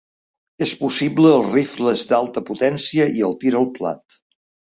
És possible els rifles d'alta potència i el tir al plat.